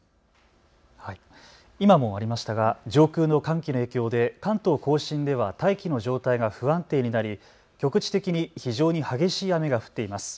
今もありましたが上空の寒気の影響で関東甲信では大気の状態が不安定になり局地的に非常に激しい雨が降っています。